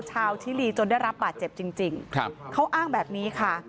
ชิลีจนได้รับบาดเจ็บจริงเขาอ้างแบบนี้ค่ะ